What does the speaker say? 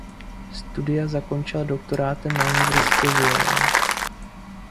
Studia zakončila doktorátem na univerzitě v Yale.